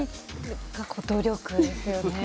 努力ですよね。